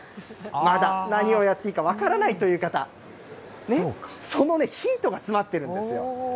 まだ何をやっていいか分からないという方、そのヒントが詰まってるんですよ。